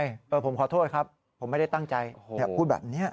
เออผมขอโทษครับผมไม่ได้ตั้งใจพูดแบบนี้